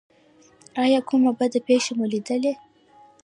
ایا کومه بده پیښه مو لیدلې؟